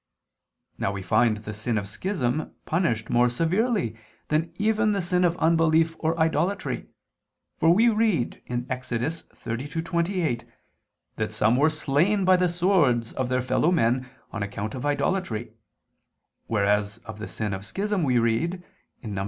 Now we find the sin of schism punished more severely than even the sin of unbelief or idolatry: for we read (Ex. 32:28) that some were slain by the swords of their fellow men on account of idolatry: whereas of the sin of schism we read (Num.